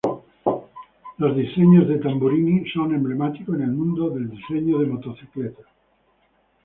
Los diseños de Tamburini son emblemáticos en el mundo del diseño de motocicletas.